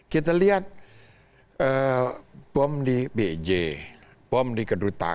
kita lihat bom di jepang di jepang kita lihat bom di jepang itu tidak ada kaitannya atau kurang berkaitan dengan sasaran sasaran hidup